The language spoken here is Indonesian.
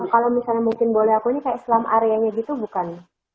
kalau misalnya mungkin boleh aku nih kayak islam area nya gitu bukan